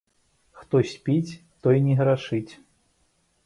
Хто спіць, той не грашыць.